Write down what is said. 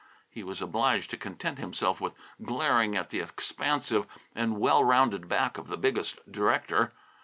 He was obliged to content himself with glaring at the expansive and well rounded back of the biggest director.